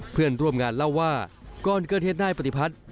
เพื่อนร่วมงานเล่าว่าก่อนเกิดเหตุนายปฏิพัฒน์